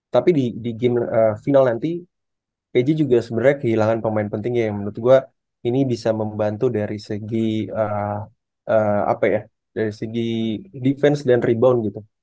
tapi di game final nanti pj juga sebenarnya kehilangan pemain pentingnya yang menurut gue ini bisa membantu dari segi defense dan rebound gitu